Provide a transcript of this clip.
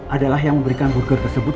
adalah yang memberikan burger tersebut